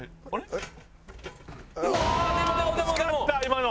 えっ？